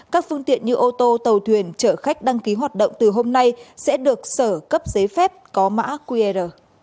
các phương tiện như ô tô tàu thuyền chở khách đăng ký hoạt động từ hôm nay sẽ được sở cấp giấy phép có mã qr